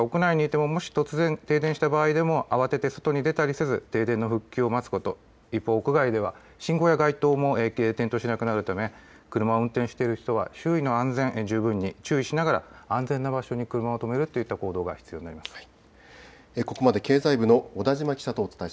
東京電力は屋内にいてももし突然、停電した場合も慌てて外に出たりせず停電の撤去を持つこと、一方、屋外では信号や街灯も消えて点灯しなくなるため車を運転している人は周囲の安全を十分に注意しながら安全な場所に車を止めるといった行動が必要になります。